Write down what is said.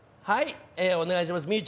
はいお願いします